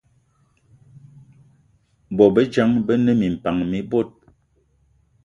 Bôbejang be ne minpan mi bot